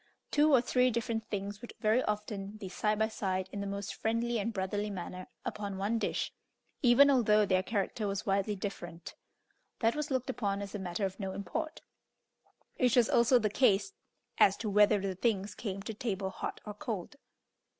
Two or three different things would very often be side by side in the most friendly and brotherly manner upon one dish, even although their character was widely different; that was looked upon as a matter of no import, which was also the case as to whether the things came to table hot or cold.